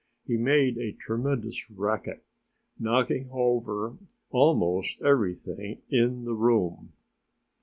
He made a tremendous racket, knocking over almost everything in the room.